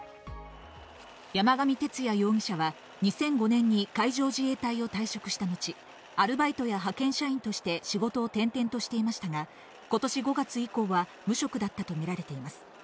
山上徹也容疑者は２００５年に海上自衛隊を退職した後、アルバイトや派遣社員として仕事を転々としていましたが、今年５月以降は無職だったとみられています。